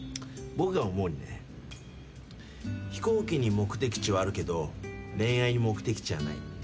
僕が思うにね飛行機に目的地はあるけど恋愛に目的地はない。